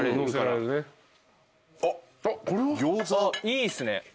いいっすね。